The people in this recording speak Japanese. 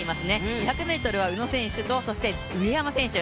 ２００ｍは宇野選手と上山選手。